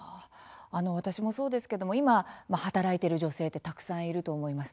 私もそうですけども今、働いている女性ってたくさんいると思います。